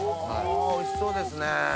おおいしそうですね。